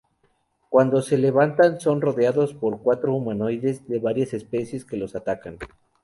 Cuando se levantan, son rodeados por cuatro humanoides de varias especies que los atacan.